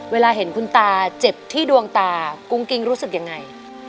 เวลาเห็นคุณตาเจ็บที่ดวงตากุ้งกิ๊งรู้สึกยังไง